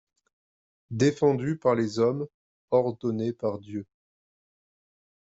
Défendu par les hommes, ordonné par Dieu.